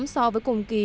so với cùng kỳ